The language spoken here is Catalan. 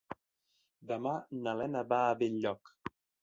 Demà na Lena va a Benlloc.